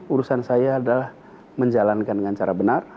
urusan saya adalah menjalankan dengan cara benar